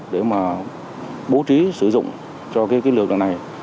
để mà bố trí sử dụng cho cái lực lượng này